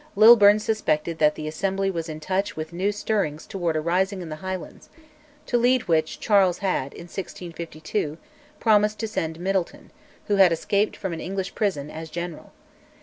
Lilburne suspected that the Assembly was in touch with new stirrings towards a rising in the Highlands, to lead which Charles had, in 1652, promised to send Middleton, who had escaped from an English prison, as general.